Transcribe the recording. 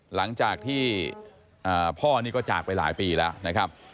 หลังจากที่พ่อนี่ก็จากไปหลายปีแล้วนะครับ